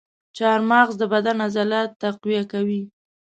چارمغز د بدن عضلات تقویه کوي.